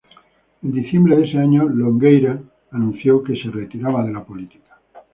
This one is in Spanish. En diciembre de ese año, Longueira anunció que se retiraba de la política.